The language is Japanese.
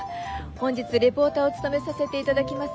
本日レポーターを務めさせて頂きます